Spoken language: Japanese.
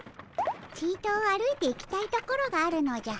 ちと歩いていきたいところがあるのじゃ。